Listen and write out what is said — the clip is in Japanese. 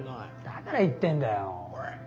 だから言ってんだよ。